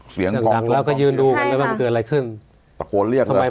เสียงดังแล้วก็ยืนดูกันเลยว่ามันเกิดอะไรขึ้นตะโกนเรียกทำไม